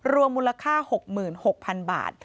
รวมมูลค่า๖๖๐๐๐บาท